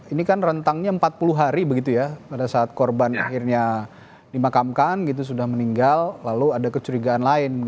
ini kan rentangnya empat puluh hari begitu ya pada saat korban akhirnya dimakamkan sudah meninggal lalu ada kecurigaan lain